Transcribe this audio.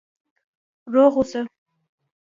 روغ اوسئ؟